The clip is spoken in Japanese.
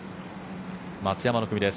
松山の組です。